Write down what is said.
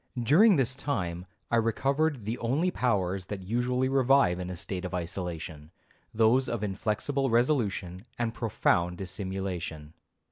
During this time, I recovered the only powers that usually revive in a state of isolation,—those of inflexible resolution and profound dissimulation.